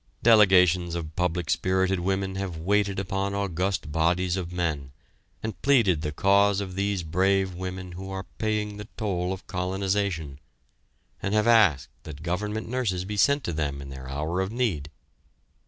Delegations of public spirited women have waited upon august bodies of men, and pleaded the cause of these brave women who are paying the toll of colonization, and have asked that Government nurses be sent to them in their hour of need.